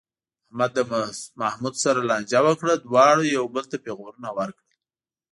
احمد له محمود سره لانجه وکړه، دواړو یو بل ته پېغورونه ورکړل.